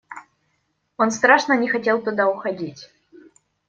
Он страшно не хотел туда уходить.